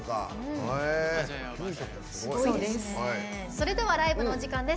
それではライブのお時間です。